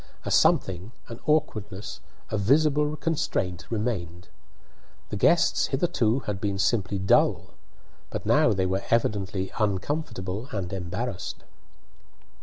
A something, an awkwardness, a visible constraint remained. The guests hitherto had been simply dull, but now they were evidently uncomfortable and embarrassed.